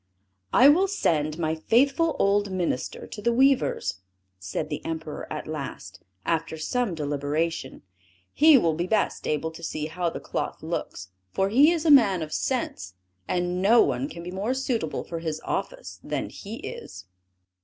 "I will send my faithful old minister to the weavers," said the Emperor at last, after some deliberation, "he will be best able to see how the cloth looks; for he is a man of sense, and no one can be more suitable for his office than he is."